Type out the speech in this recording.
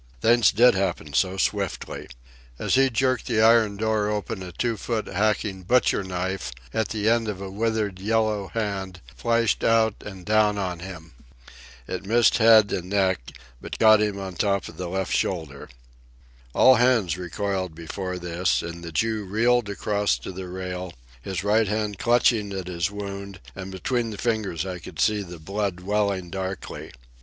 Things did happen so swiftly! As he jerked the iron door open a two foot hacking butcher knife, at the end of a withered, yellow hand, flashed out and down on him. It missed head and neck, but caught him on top of the left shoulder. All hands recoiled before this, and the Jew reeled across to the rail, his right hand clutching at his wound, and between the fingers I could see the blood welling darkly.